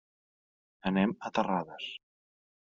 Anem a Terrades.